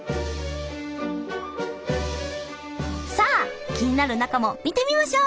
さあ気になる中も見てみましょう。